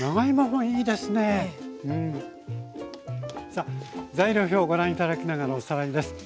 さあ材料表をご覧頂きながらおさらいです。